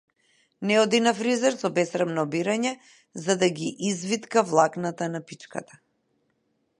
Не оди на фризер со бесрамно барање да ти ги извитка влакната на пичката.